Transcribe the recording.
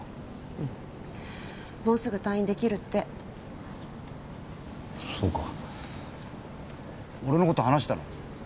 うんもうすぐ退院できるってそうか俺のこと話したの？